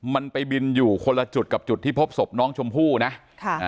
มันไปบินอยู่คนละจุดกับจุดที่พบศพน้องชมพู่นะค่ะอ่า